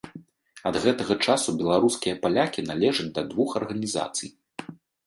Ад гэтага часу беларускія палякі належаць да двух арганізацый.